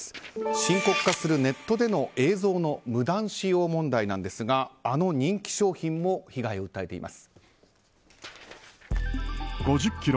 深刻化するネットでの映像の無断使用問題なんですがあの人気商品も被害を訴えています。